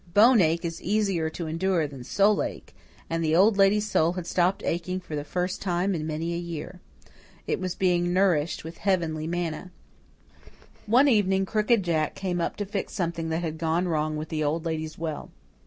Bone ache is easier to endure than soul ache; and the Old Lady's soul had stopped aching for the first time in many year. It was being nourished with heavenly manna. One evening Crooked Jack came up to fix something that had gone wrong with the Old Lady's well.